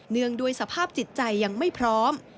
งด้วยสภาพจิตใจยังไม่พร้อม